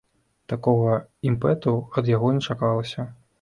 Такога імпэту ад яго не чакалася.